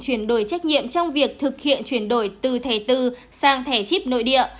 chuyển đổi trách nhiệm trong việc thực hiện chuyển đổi từ thẻ từ sang thẻ chip nội địa